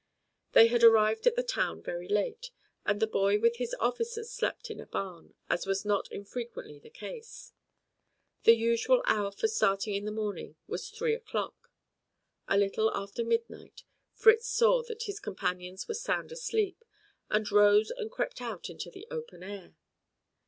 They had arrived at the town very late, and the boy with his officers slept in a barn, as was not infrequently the case. The usual hour for starting in the morning was three o'clock. A little after midnight Fritz saw that his companions were sound asleep, and rose and crept out into the open air.